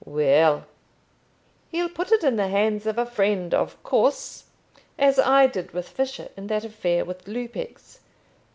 "Well, he'll put it in the hands of a friend, of course; as I did with Fisher in that affair with Lupex.